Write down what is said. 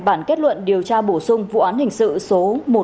bản kết luận điều tra bổ sung vụ án hình sự số một